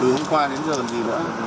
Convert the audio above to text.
từ hôm qua đến giờ thì gì nữa